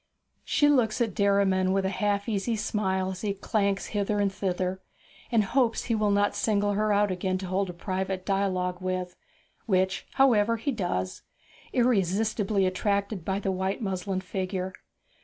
She looks at Derriman with a half uneasy smile as he clanks hither and thither, and hopes he will not single her out again to hold a private dialogue with which, however, he does, irresistibly attracted by the white muslin figure.